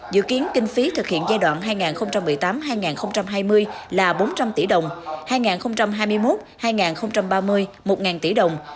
dự kiến kinh phí thực hiện giai đoạn hai nghìn một mươi tám hai nghìn hai mươi là bốn trăm linh tỷ đồng hai nghìn hai mươi một hai nghìn ba mươi một tỷ đồng